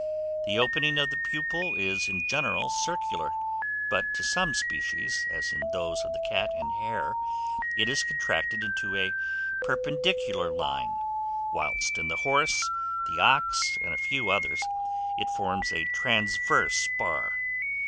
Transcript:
The opening of the pupil is in general circular; but to some species, as in those of the Cat and Hare, it is contracted into a perpendicular line, whilst in the Horse, the Ox, and a few others, it forms a transverse bar.